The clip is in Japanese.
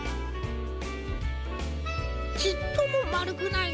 ちっともまるくないのう。